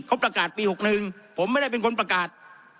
เขาประกาศปี๖๑ผมไม่ได้เป็นคนประกาศ